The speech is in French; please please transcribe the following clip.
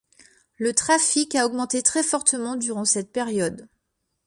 Le trafic a augmenté très fortement durant cette période.